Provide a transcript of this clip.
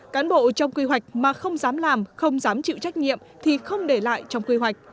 cán bộ trong quy hoạch mà không dám làm không dám chịu trách nhiệm thì không để lại trong quy hoạch